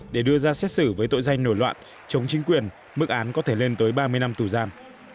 để đưa ra xét xử với tội danh nổi loạn chống chính quyền mức án có thể lên tới ba mươi năm tù giam